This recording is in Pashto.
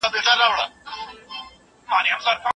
هغه سپین موټر چې ودرېد ډېر نوی او ځلیدونکی و.